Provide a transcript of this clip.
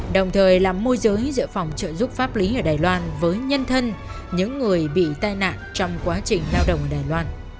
đồng thời làm môi giới giữa phòng trợ giúp pháp lý ở đài loan với nhân thân những người bị tai nạn trong quá trình lao động ở đài loan